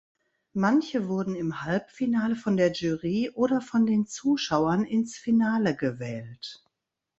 Manche wurden im Halbfinale von der Jury oder von den Zuschauern ins Finale gewählt.